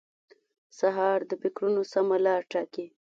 سهار د فکرونو سمه لار ټاکي.